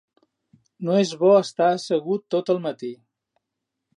No és bo estar assegut tot el matí.